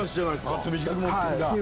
バット短く持ってんだ。